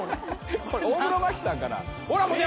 大黒摩季さんかな？